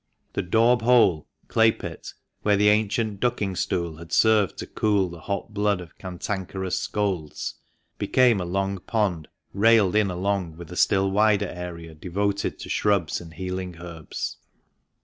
The Daub Hole (clay pit) where the ancient ducking stool had served to cool the hot blood of cantankerous scolds, became a long pond railed in along with a still wider area devoted to shrubs and healing herbs.